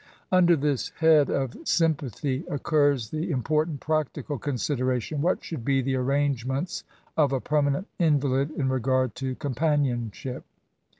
Under this head of sympathy occurs the impor tant practical consideration, what should be the arrangements of a permanent invalid, in regard to companionship?